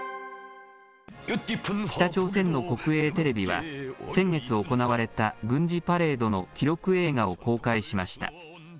北朝鮮の国営テレビは、先月行われた軍事パレードの記録映画を公開しました。